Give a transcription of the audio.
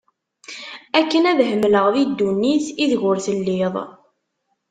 Akken ad hemleɣ di ddunit ideg ur telliḍ